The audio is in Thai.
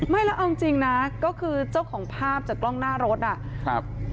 ไม่แล้วเอาจริงนะก็คือเจ้าของภาพจากกล้องหน้ารถอ่ะครับ